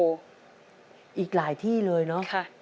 อีกหลายที่เลยนะครับค่ะอีกหลายที่เลยนะครับ